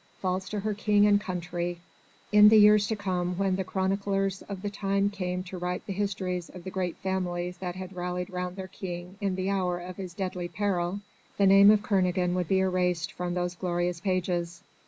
false to her King and country! In the years to come when the chroniclers of the time came to write the histories of the great families that had rallied round their King in the hour of his deadly peril, the name of Kernogan would be erased from those glorious pages.